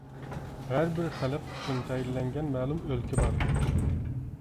ھەر بىر خەلق ئۈچۈن تەيىنلەنگەن مەلۇم ئۆلكە بار.